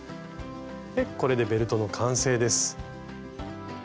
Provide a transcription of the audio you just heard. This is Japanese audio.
これでベルトの完成です。